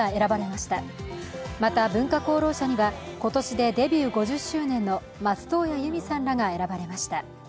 また文化功労者には今年でデビュー５０周年の松任谷由実さんらが選ばれました。